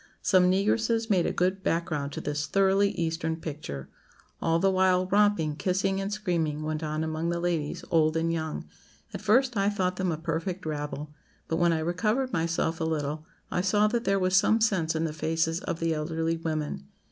Some negresses made a good background to this thoroughly Eastern picture. All the while, romping, kissing, and screaming went on among the ladies, old and young. At first, I thought them a perfect rabble; but when I recovered myself a little, I saw that there was some sense in the faces of the elderly women.